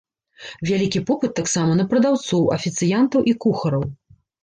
Вялікі попыт таксама на прадаўцоў, афіцыянтаў і кухараў.